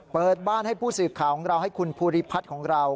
เปิดบ้านให้ผู้สื่อข่าวของเราให้คุณภูริพัฒน์ของเรา